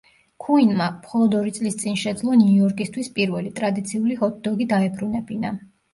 ქუინმა, მხოლოდ ორი წლის წინ შეძლო ნიუ-იორკისთვის პირველი, ტრადიციული ჰოთ-დოგი დაებრუნებინა.